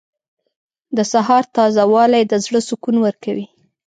• د سهار تازه والی د زړه سکون ورکوي.